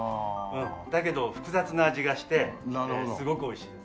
だけど複雑な味がしてすごく美味しいです。